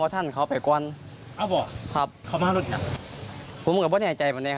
ตั้งแปปเดี๋ยวออกมาก